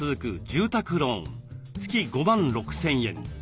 住宅ローン月５万６，０００円。